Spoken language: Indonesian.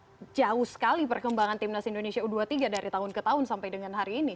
jadi kita bisa melihat ini jauh sekali perkembangan timnas indonesia u dua puluh tiga dari tahun ke tahun sampai dengan hari ini